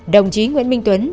đồng chí nguyễn minh tuấn